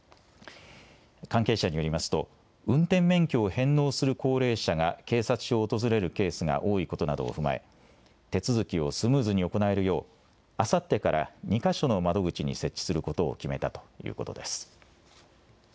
関係者によりますと、運転免許を返納する高齢者が警察署を訪れるケースが多いことなどを踏まえ、手続きをスムーズに行えるよう、あさってから２か所の窓口に設置することを決めたということです。